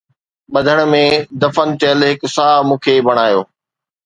ٻڌڻ ۾ دفن ٿيل هڪ ساهه مون کي بنايو